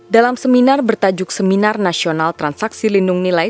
dalam seminar bertajuk seminar nasional transaksi lindung nilai